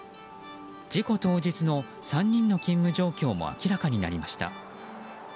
事故当日の３人の勤務状況も明らかになりました。